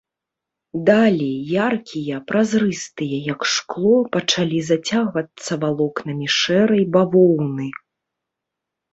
Далі, яркія, празрыстыя, як шкло, пачалі зацягвацца валокнамі шэрай бавоўны.